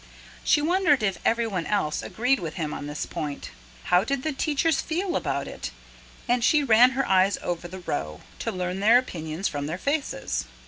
She wondered if everyone else agreed with him on this point. How did the teachers feel about it? and she ran her eyes over the row, to learn their opinions from their faces.